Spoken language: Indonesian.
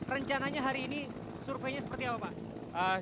rencananya hari ini surveinya seperti apa pak